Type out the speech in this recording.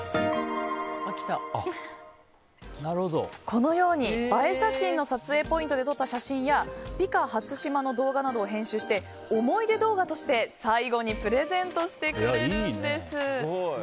このように映え写真の撮影ポイントで撮った写真やＰＩＣＡ初島の動画などを編集して、思い出動画として最後にプレゼントしてくれるんです。